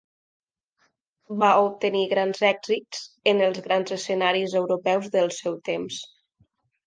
Va obtenir grans èxits en els grans escenaris europeus del seu temps.